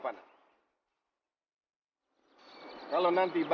kalau nanti bapak sudah tidak ada